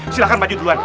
silakan maju duluan